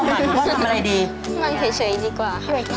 ว่าทำอะไรดีนั่งเฉยดีกว่าค่ะ